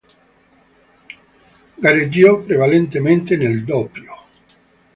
Gareggiò prevalentemente nel doppio.